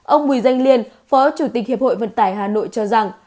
ông bùi danh liên phó chủ tịch hiệp hội vận tải hà nội cho rằng